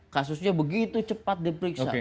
kasusnya begitu cepat diperiksa